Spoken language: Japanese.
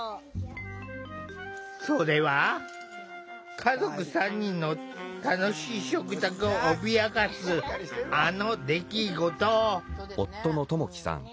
それは家族３人の楽しい食卓を脅かす、あの出来事。